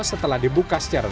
setelah dibuka secara resmi